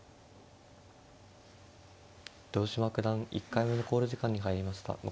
豊島九段１回目の考慮時間に入りました。